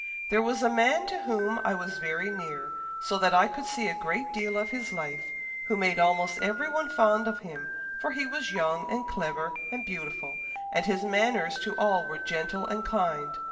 "There was a man to whom I was very near, so that I could see a great deal of his life, who made almost everyone fond of him, for he was young, and clever, and beautiful, and his manners to all were gentle and kind.